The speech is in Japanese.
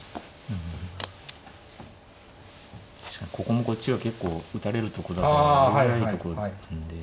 確かにここもこっちは結構打たれるとこだからやりづらいとこなんで。